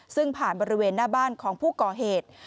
ซึ่งผ่านบริเวณหน้าบ้านของผู้ก่อเหตุ